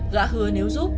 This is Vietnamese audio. gã hứa nếu giúp